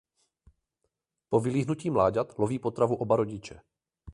Po vylíhnutí mláďat loví potravu oba rodiče.